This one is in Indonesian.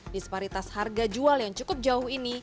disparitas harga jual yang cukup jauh ini